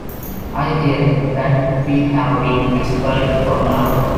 I hear that we have been expelled from the army.